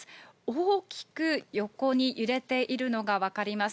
大きく横に揺れているのが分かります。